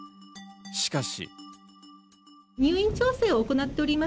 しかし。